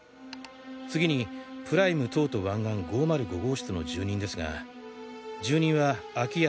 次にプライム東都湾岸５０５号室の住人ですが住人は秋山